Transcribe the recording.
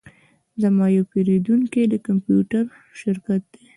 زما یو پیرودونکی د کمپیوټر شرکت دی